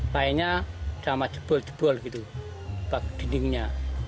lainnya sama jebol jebol gitu dindingnya